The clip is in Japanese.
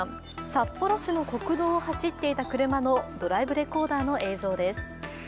札幌市の国道を走っていた車のドライブレコーダーの映像です。